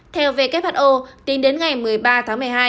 theo who tính đến ngày một mươi ba tháng một mươi hai